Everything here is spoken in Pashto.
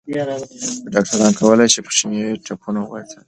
ډاکټران کولی شي کوچني ټپونه وڅاري.